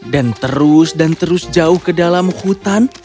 dan terus dan terus jauh ke dalam hutan